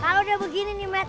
kalau udah begini nih mat